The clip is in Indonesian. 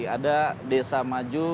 ada desa maju